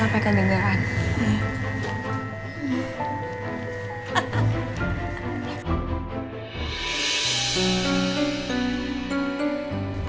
jangan sampai kedengeran rosan aku